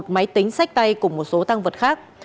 một máy tính sách tay cùng một số tăng vật khác